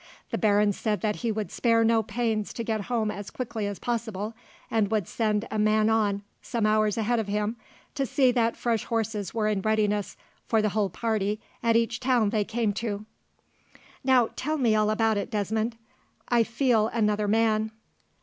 The baron said that he would spare no pains to get home as quickly as possible, and would send a man on, some hours ahead of him, to see that fresh horses were in readiness for the whole party at each town they came to." "Now tell me all about it, Desmond. I feel another man.